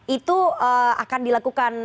itu akan dilakukan